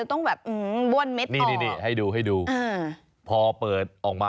ต้องแบบเราวนเม็ดออก